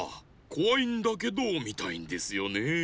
こわいんだけどみたいんですよねえ。